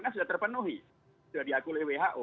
sudah diakulih who